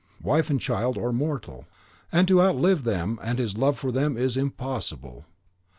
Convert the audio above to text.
Wife and child are mortal, and to outlive them and his love for them is impossible.